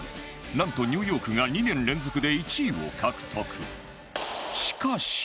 なんとニューヨークが２年連続で１位を獲得